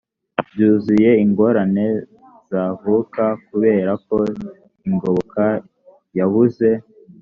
byuzuye ingorane zavuka kubera ko ingoboka yabuze